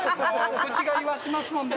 口が言わしますもんでな。